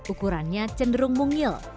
ukurannya cenderung mungil